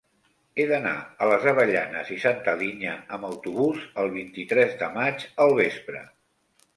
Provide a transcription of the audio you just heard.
He d'anar a les Avellanes i Santa Linya amb autobús el vint-i-tres de maig al vespre.